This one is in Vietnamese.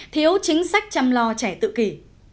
thiếu chính sách chăm lo trẻ tự kỳ